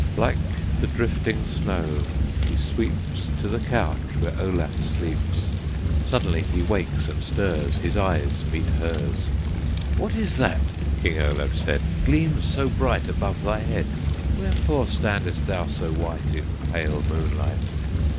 Like the drifting snow she sweeps To the couch where Olaf sleeps; Suddenly he wakes and stirs, His eyes meet hers. "What is that," King Olaf said, "Gleams so bright above thy head? Wherefore standest thou so white In pale moonlight?"